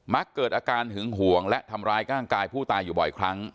เกิดอาการหึงห่วงและทำร้ายร่างกายผู้ตายอยู่บ่อยครั้ง